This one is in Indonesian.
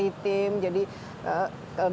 yang lovers dengan sejarah k